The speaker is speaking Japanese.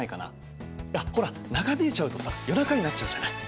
いやほら長引いちゃうとさ夜中になっちゃうじゃない。